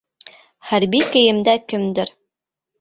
Хәрби кейемдә кемдер.